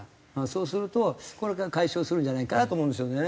そうするとこれから解消するんじゃないかなと思うんですよね。